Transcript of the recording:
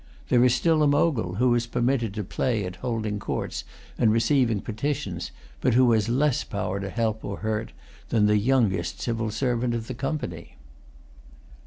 There is still a Mogul, who is permitted to play at holding courts and receiving petitions, but who has less power to help or hurt than the youngest civil servant of the Company.